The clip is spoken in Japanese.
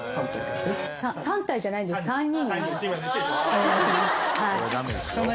お願いします。